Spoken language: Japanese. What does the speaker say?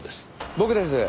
僕です。